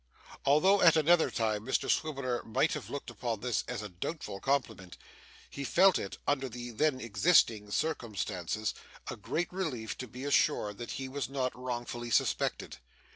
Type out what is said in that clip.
Although at another time Mr Swiveller might have looked upon this as a doubtful compliment, he felt it, under the then existing circumstances, a great relief to be assured that he was not wrongfully suspected.